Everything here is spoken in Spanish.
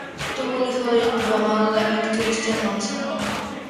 Tuvo un hijo llamado David Cristian Manzano.